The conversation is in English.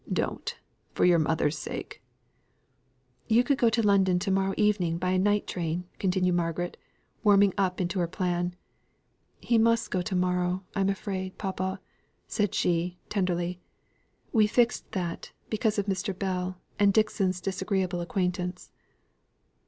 Don't, for your mother's sake." "You could go to London by a night train," continued Margaret, warming up into her plan. "He must go to morrow, I'm afraid, papa," said she, tenderly; "we fixed that, because of Mr. Bell, and Dixon's disagreeable acquaintance."